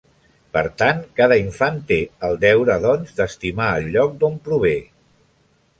Per tant, cada infant té el deure, doncs, d'estimar el lloc d'on prové.